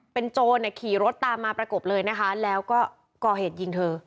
เป็นโจรขี่รถตามมาประกบเลยนะคะแล้วก็ก่อเหตุยิงเธอ